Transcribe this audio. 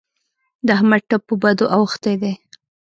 د احمد ټپ په بدو اوښتی دی.